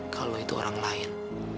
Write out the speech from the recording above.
kalau itu orang lain